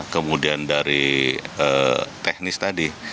kemudian dari teknis tadi